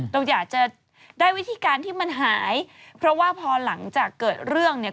เราอยากจะได้วิธีการที่มันหายเพราะว่าพอหลังจากเกิดเรื่องเนี่ย